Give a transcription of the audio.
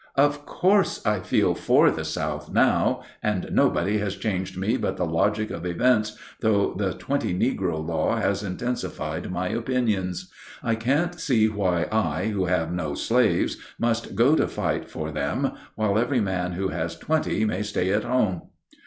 "Of course I feel for the South now, and nobody has changed me but the logic of events, though the twenty negro law has intensified my opinions. I can't see why I, who have no slaves, must go to fight for them, while every man who has twenty may stay at home."